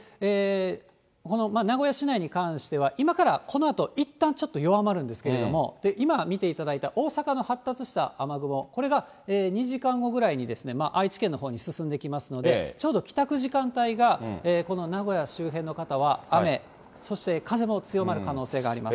この名古屋市内に関しては、今からこのあと、いったんちょっと弱まるんですけれども、今、見ていただいた大阪の発達した雨雲、これが２時間後ぐらいに愛知県のほうに進んできますので、ちょうど帰宅時間帯がこの名古屋周辺の方は雨、そして風も強まる可能性があります。